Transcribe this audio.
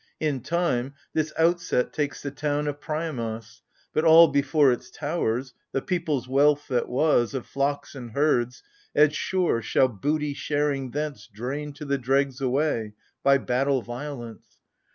" In time, this outset takes the town of Priamos : But all before its towers, — the people's wealth that was, Of flocks and herds, — as sure, shall booty sharing thence Drain to the dregs away, by battle violence.